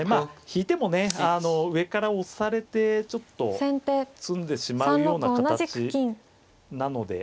引いてもねあの上から押されてちょっと詰んでしまうような形なので。